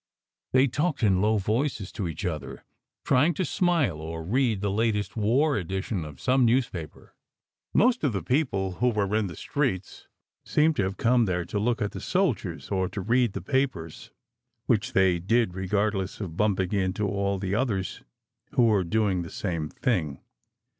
They talked in low voices to each other, trying to smile or read the latest war edition of some newspaper. Most of the people who were in the streets seemed to have come there to look at the soldiers or to read the papers, which they did regardless of bumping into all the others who were doing the same thing.